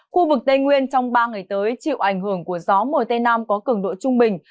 khu vực tây nguyên trong ba ngày tới chịu ảnh hưởng của gió mùa tây nam có cường độ trung bình